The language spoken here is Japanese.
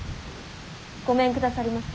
・ごめんくださりませ。